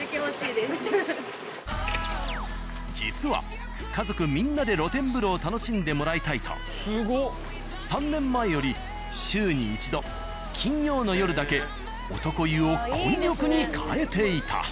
実は家族みんなで露天風呂を楽しんでもらいたいと３年前より週に１度金曜の夜だけ男湯を混浴に変えていた。